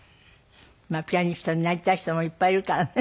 まあピアニストになりたい人もいっぱいいるからね。